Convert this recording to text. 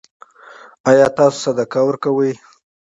ایا تاسو صدقه ورکوئ؟